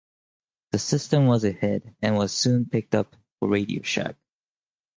The system was a hit, and was soon picked up for Radio Shack.